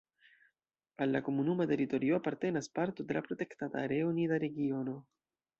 Al la komunuma teritorio apartenas parto de la protektata areo Nida-Regiono.